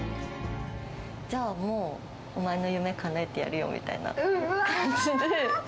じゃあもう、お前の夢かなえてやるよみたいな感じで。